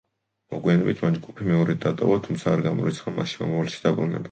მოგვიანებით მან ჯგუფი მეორედ დატოვა, თუმცა არ გამორიცხა მასში მომავალში დაბრუნება.